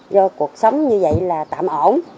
do cuộc sống như vậy là tạm ổn